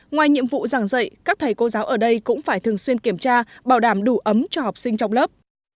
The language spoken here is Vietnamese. ngoài nhiệm vụ giảng dạy các thầy cô giáo ở đây cũng phải thường xuyên kiểm tra bảo đảm đủ ấm cho học sinh trong lớp